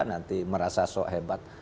nanti merasa sok hebat